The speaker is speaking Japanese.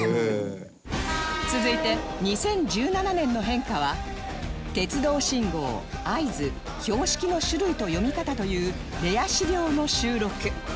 続いて２０１７年の変化は鉄道信号合図標識の種類と読み方というレア資料の収録